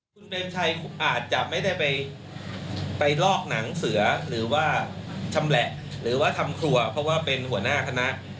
คุณเปรมชัยอาจจะไม่ได้ไปลอกหนังเสือหรือว่าชำแหละหรือว่าทำครัวเพราะว่าเป็นหัวหน้าคณะ